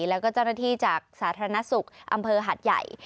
แล้วก็เจ้าหน้าที่จากสาธารณสุขอำเภอหัดใหญ่